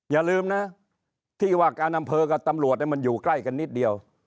อย่าลืมนะที่ว่าการอำเภอกับตำรวจมันอยู่ใกล้กันนิดเดียว